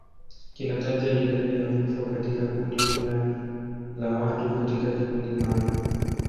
Kinataja idadi ya vifo katika kundi fulani la watu katika kipindi maalum.